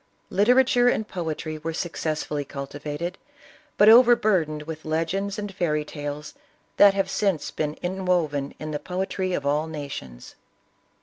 Literature and poetry were successfully cultivated, but overbur dened with legends and fairy tales that have since been inwoven in the poetry of all nations.